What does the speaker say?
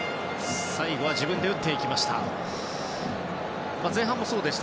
最後は自分で打っていきました。